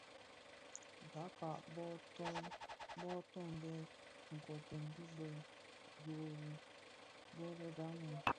Bakpag bō kotèn kotènga dhi bë dho bë lè baloum,